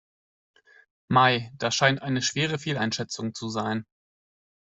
Mei, das scheint eine schwere Fehleinschätzung zu sein.